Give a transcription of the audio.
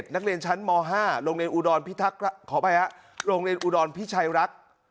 นักเรียนชั้นม๕โรงเรียนอูดรพิชัยรัก